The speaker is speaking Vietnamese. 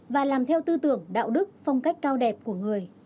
và làm theo tư tưởng đạo đức phong cách cao đẹp của người